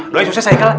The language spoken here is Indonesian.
doang sukses haikal